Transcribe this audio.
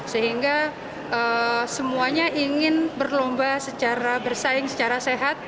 sehingga semuanya ingin berlomba secara bersaing secara sehat